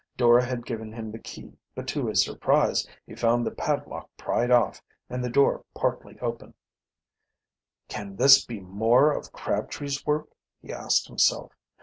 Dora had given him the key, but to his surprise he found the padlock pried off and the door partly open. "Can this be more of Crabtree's work?" he asked himself.